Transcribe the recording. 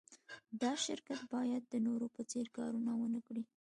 دا شرکت باید د نورو په څېر کارونه و نهکړي